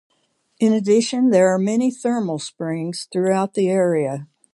In addition there are many thermal springs throughout the area.